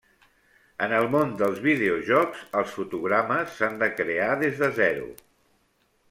En el món dels videojocs els fotogrames s'han de crear des de zero.